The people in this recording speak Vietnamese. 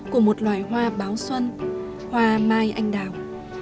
của một loài hoa báo xuân hoa mai anh đào